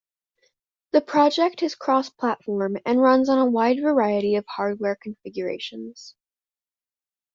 The project is cross-platform, and runs on a wide variety of hardware configurations.